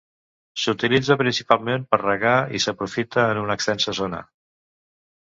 S'utilitza principalment per regar i s'aprofita en una extensa zona.